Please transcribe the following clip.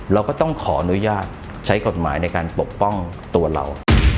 เราก็ต้องขออนุญาตใช้กฎหมายในการปกป้องตัวเรา